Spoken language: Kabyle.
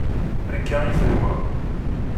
Akka i tenwa.